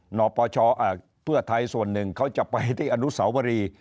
เพื่อไทยส่วนหนึ่งเขาจะไปที่อนุสาวรี